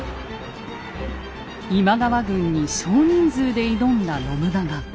今川軍に少人数で挑んだ信長。